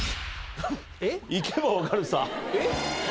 いけば分かるさ。